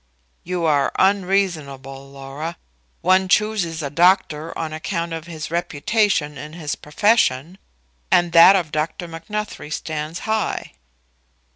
"You are unreasonable, Laura. One chooses a doctor on account of his reputation in his profession, and that of Dr. Macnuthrie stands high."